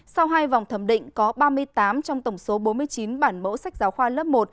sau hai vòng thẩm định có ba mươi tám trong tổng số bốn mươi chín bản mẫu sách giáo khoa lớp một